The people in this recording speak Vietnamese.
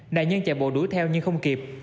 đại nhân chạy bộ đuổi theo nhưng không kịp